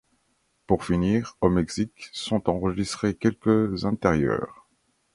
Pour finir, au Mexique sont enregistrés quelques intérieurs.